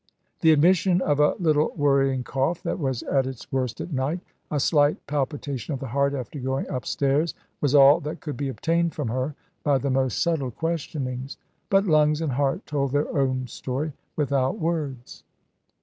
The admission of a little worrying cough that was at its worst at night, a slight palpitation of the heart after going upstairs, was all that could be obtained from her by the most subtle questionings; but lungs and heart told their own story, without words.